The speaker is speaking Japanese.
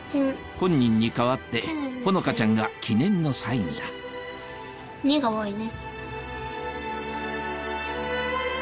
本人に代わってほのかちゃんが記念のサインだ「２」が多いね。